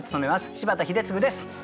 柴田英嗣です。